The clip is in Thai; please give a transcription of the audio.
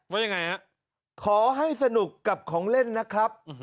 ว่ายังไงขอให้ธุรกิจให้ธุรกิจกับของเล่นนะครับ